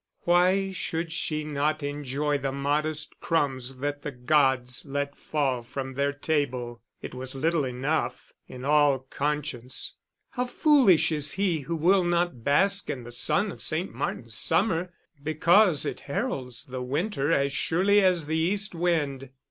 Why should she not enjoy the modest crumbs that the gods let fall from their table it was little enough, in all conscience! How foolish is he who will not bask in the sun of St. Martin's summer, because it heralds the winter as surely as the east wind!